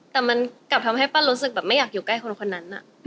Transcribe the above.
แต่มันกลับทำให้ปั้นรู้สึกแบบไม่อยากอยู่ใกล้คนนั้น